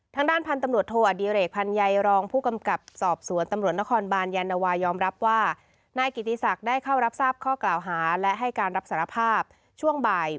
ทางด้านพันธุ์ตำรวจโทอดิเรกพันใยรองผู้กำกับสอบสวนตำรวจนครบานยานวายอมรับว่านายกิติศักดิ์ได้เข้ารับทราบข้อกล่าวหาและให้การรับสารภาพช่วงบ่าย